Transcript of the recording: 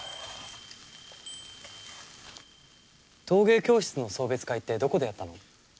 陶芸教室の送別会ってどこでやったの？